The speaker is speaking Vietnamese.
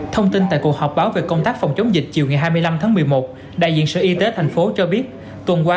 thông tin tại cuộc họp báo về công tác phòng chống dịch chiều ngày hai mươi năm tháng một mươi một đại diện sở y tế tp hcm cho biết tuần qua